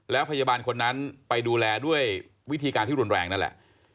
แล้วพยาบาลคนนั้นไปดูแลด้วยวิธีการที่รุนแรงนั่นแหละ